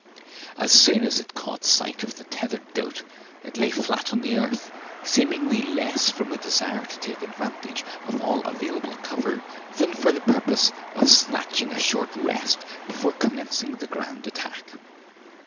As soon as it caught sight of the tethered goat it lay flat on the earth, seemingly less from a desire to take advantage of all available cover than for the purpose of snatching a short rest before commencing the grand attack.